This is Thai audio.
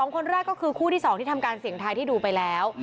คนแรกก็คือคู่ที่๒ที่ทำการเสี่ยงทายที่ดูไปแล้ว